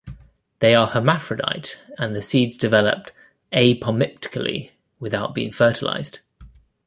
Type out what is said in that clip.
They are hermaphrodite and the seeds develop apomictically without being fertilised.